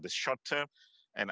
ulasan penutup karena